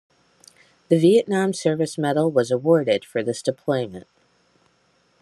The Vietnam Service Medal was awarded for this deployment.